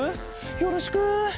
よろしく。